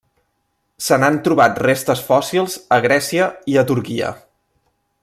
Se n'han trobat restes fòssils a Grècia i a Turquia.